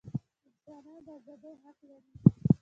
انسانان د ازادۍ حق لري.